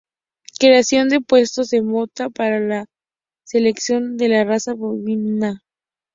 Creación de puestos de monta para la selección de la raza bovina.